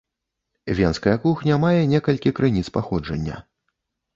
Венская кухня мае некалькі крыніц паходжання.